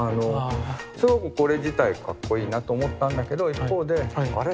すごくこれ自体かっこいいなと思ったんだけど一方であれ？